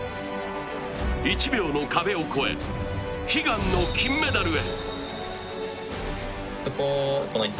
１秒の壁を越え、悲願の金メダルへ。